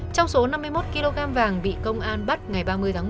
trong số năm mươi một kg vàng bị công an bắt ngày ba mươi một mươi hai nghìn hai mươi